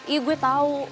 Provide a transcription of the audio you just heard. iya gue tau